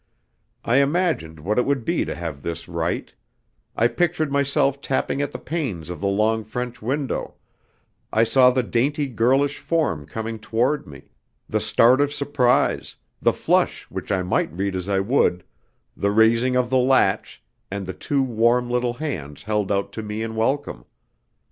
I imagined what it would be to have this right; I pictured myself tapping at the panes of the long French window, I saw the dainty girlish form coming toward me, the start of surprise, the flush which I might read as I would, the raising of the latch, and the two warm little hands held out to me in welcome.